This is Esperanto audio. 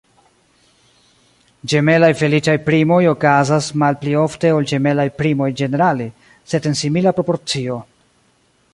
Ĝemelaj feliĉaj primoj okazas malpli ofte ol ĝemelaj primoj ĝenerale, sed en simila proporcio.